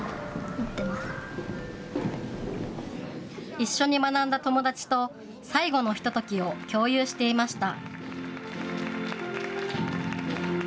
一緒に学んだ友だちと最後のひとときを共有していました。